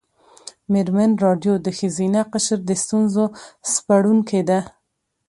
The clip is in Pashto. مېرمن راډیو د ښځینه قشر د ستونزو سپړونکې ده.